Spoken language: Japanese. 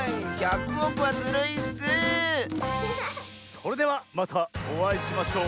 それではまたおあいしましょう！